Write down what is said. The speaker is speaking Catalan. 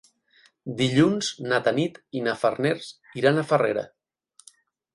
Dilluns na Tanit i na Farners iran a Farrera.